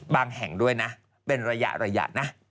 แห่งด้วยนะเป็นระยะนะ